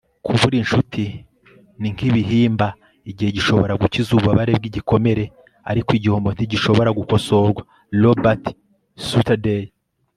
kubura inshuti ni nk'ibihimba; igihe gishobora gukiza ububabare bw'igikomere, ariko igihombo ntigishobora gukosorwa - robert southey